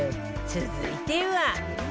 続いては